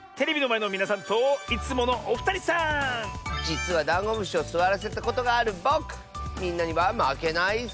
じつはダンゴムシをすわらせたことがあるぼくみんなにはまけないッス！